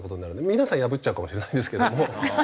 皆さん破っちゃうかもしれないんですけども。